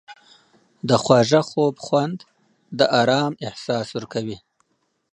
د خواږه خوب خوند د آرام احساس ورکوي.